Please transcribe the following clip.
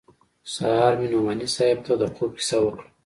سهار مې نعماني صاحب ته د خوب کيسه وکړه.